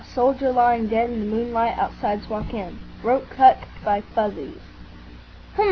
—Soldier lying dead in the moonlight outside Suakin.—throat cut by Fuzzies." "H'm!"